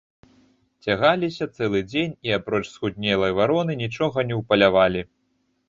Цягаліся цэлы дзень і, апроч схуднелай вароны, нічога не ўпалявалі.